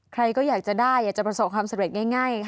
ใครก็อยากจะได้อยากจะประสบความสำเร็จง่ายค่ะ